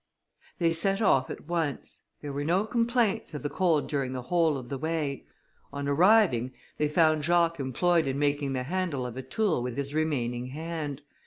They set off at once. There were no complaints of the cold during the whole of the way. On arriving, they found Jacques employed in making the handle of a tool with his remaining hand.